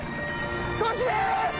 こっちです！